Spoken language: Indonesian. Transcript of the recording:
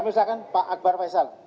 amin ustaz khan pak akbar faisal